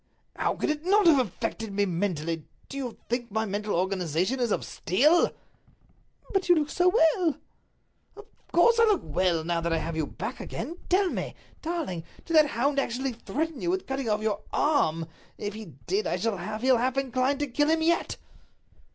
"How could it not have affected me mentally? Do you think that my mental organization is of steel?" "But you look so well." "Of course I look well, now that I have you back again. Tell me, darling, did that hound actually threaten you with cutting off your arm? If he did, I shall feel half inclined to kill him yet."